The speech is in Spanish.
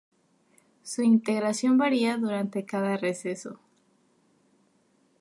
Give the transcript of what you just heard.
Su integración varia durante cada receso.